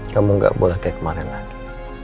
kamu gak boleh kayak kemarin lagi